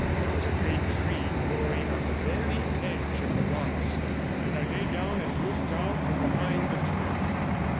There was a great tree growing on the very edge of the rocks, and I lay down and looked out from behind the trunk.